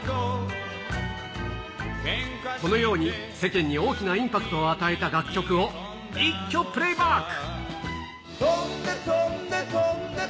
このように、世間に大きなインパクトを与えた楽曲を、一挙プレイバック。